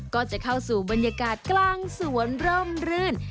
ก็จะเข้าสู่บรรยากาศกลางสวนร่มรื่น